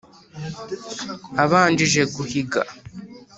abanjije guhiga.